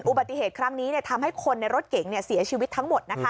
อุบัติเหตุครั้งนี้ทำให้คนในรถเก๋งเสียชีวิตทั้งหมด